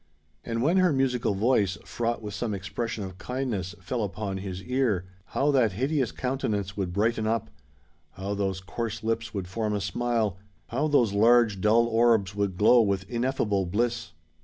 And when her musical voice, fraught with some expression of kindness, fell upon his ear, how that hideous countenance would brighten up—how those coarse lips would form a smile—how those large dull orbs would glow with ineffable bliss!